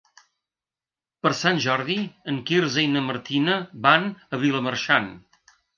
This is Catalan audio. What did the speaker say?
Per Sant Jordi en Quirze i na Martina van a Vilamarxant.